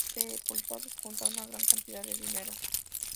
Sepultados junto a una gran cantidad de dinero.